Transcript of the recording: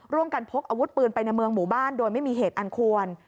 พกอาวุธปืนไปในเมืองหมู่บ้านโดยไม่มีเหตุอันควร